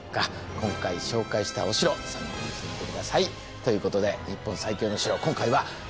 今回紹介したお城参考にしてみて下さい。ということで「日本最強の城」今回は高知城でした。